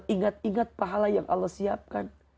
ingat ingat pahala yang allah siapkan